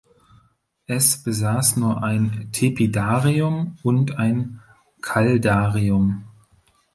Es besaß nur ein "tepidarium" und ein "caldarium".